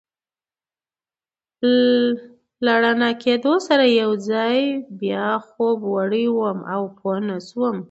له رڼا کېدو سره یو ځل بیا خوب وړی وم او پوه نه شوم.